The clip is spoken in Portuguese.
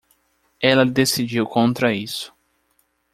ela decidiu contra isso.